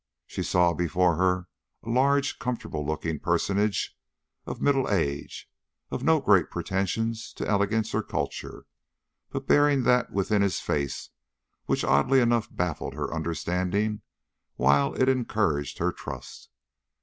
She saw before her a large comfortable looking personage of middle age, of no great pretensions to elegance or culture, but bearing that within his face which oddly enough baffled her understanding while it encouraged her trust.